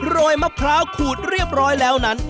ยมะพร้าวขูดเรียบร้อยแล้วนั้น